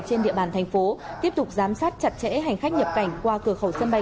trên địa bàn thành phố tiếp tục giám sát chặt chẽ hành khách nhập cảnh qua cửa khẩu sân bay